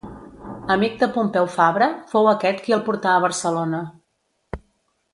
Amic de Pompeu Fabra, fou aquest qui el portà a Barcelona.